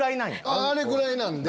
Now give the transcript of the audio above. あれぐらいなんで。